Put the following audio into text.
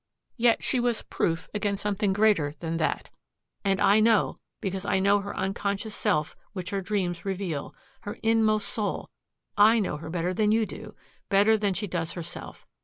Yet she was proof against something greater than that. And I know because I know her unconscious self which her dreams reveal, her inmost soul I know her better than you do, better than she does herself.